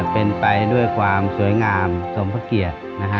เป็นไปด้วยความสวยงามสมพระเกียรติ